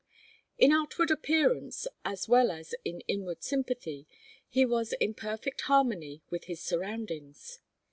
In outward appearance, as well as in inward sympathy, he was in perfect harmony with his surroundings.